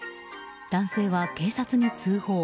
男性は警察に通報。